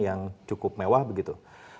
yang cukup mewah begitu